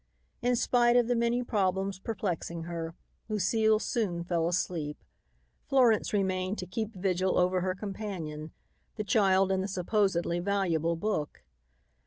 In spite of the many problems perplexing her, Lucile soon fell asleep. Florence remained to keep vigil over her companion, the child and the supposedly valuable book.